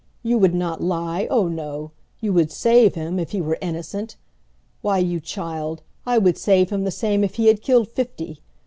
You would not lie oh, no! You would save him if he were innocent! Why, you child, I would save him the same if he had killed fifty!